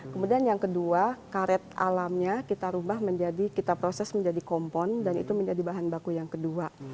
kemudian yang kedua karet alamnya kita proses menjadi kompon dan itu menjadi bahan baku yang kedua